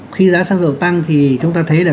khi giá xăng dầu tăng thì chúng ta thấy là